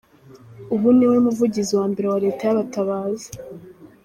Ubu niwe muvugizi wa mbere wa Leta y’abatabazi.